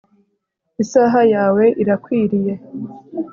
isaha yawe irakwiriye